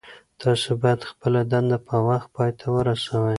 تاسو باید خپله دنده په وخت پای ته ورسوئ.